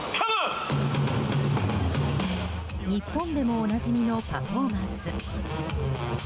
日本でもおなじみのパフォーマンス。